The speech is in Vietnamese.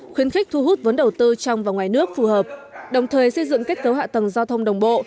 khuyến khích thu hút vốn đầu tư trong và ngoài nước phù hợp đồng thời xây dựng kết cấu hạ tầng giao thông đồng bộ